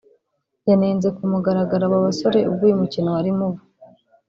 yanenze ku mugaragaro aba basore ubwo uyu mukino warimo uba